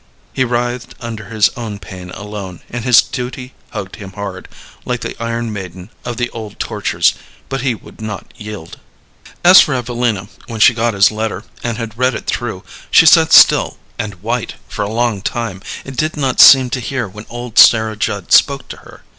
He writhed under his own pain alone, and his duty hugged him hard, like the iron maiden of the old tortures, but he would not yield. As for Evelina, when she got his letter, and had read it through, she sat still and white for a long time, and did not seem to hear when old Sarah Judd spoke to her.